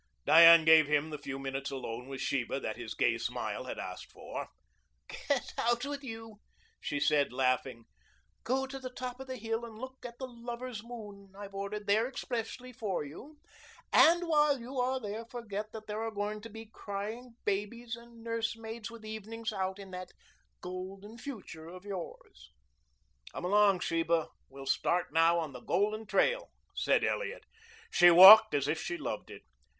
Diane gave him the few minutes alone with Sheba that his gay smile had asked for. "Get out with you," she said, laughing. "Go to the top of the hill and look at the lovers' moon I've ordered there expressly for you; and while you are there forget that there are going to be crying babies and nursemaids with evenings out in that golden future of yours." "Come along, Sheba. We'll start now on the golden trail," said Elliot. She walked as if she loved it.